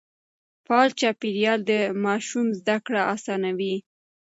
فعال چاپېريال د ماشوم زده کړه آسانوي.